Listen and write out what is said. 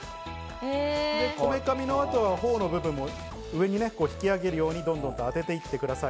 こめかみのあとは頬の部分も上に引き上げるように、どんどん当てていってください。